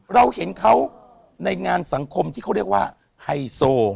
เราเห็นเขาในงานสังคมที่เขาเรียกว่าไฮโซ